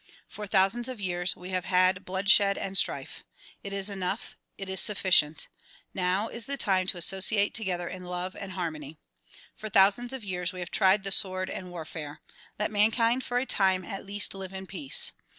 For thousands of years we have had bloodshed and strife. It is enough; it is sufficient. Now is the time to associate together in love and har mony. For thousands of years we have tried the sword and war fare ; let mankind for a time at least live in peace.